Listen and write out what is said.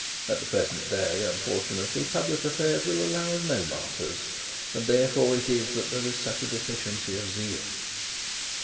At the present day, unfortunately, public affairs will allow of no martyrs, and therefore it is that there is such a deficiency of zeal.